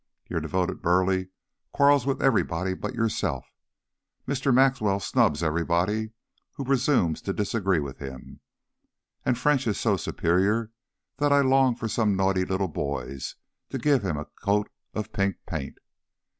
Your devoted Burleigh quarrels with everybody but yourself. Mr. Maxwell snubs everybody who presumes to disagree with him, and French is so superior that I long for some naughty little boys to give him a coat of pink paint.